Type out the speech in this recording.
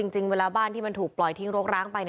จริงเวลาบ้านที่มันถูกปล่อยทิ้งรกร้างไป